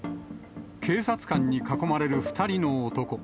警察官に囲まれる２人の男。